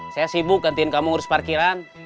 saya sibuk gantiin kamu ngurus parkiran